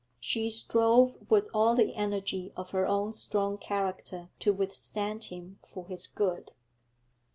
She strove with all the energy of her own strong character to withstand him for his good.